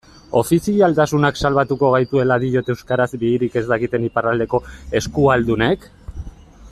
Ofizialtasunak salbatuko gaituela diote euskaraz bihirik ez dakiten iparraldeko euskualdunek?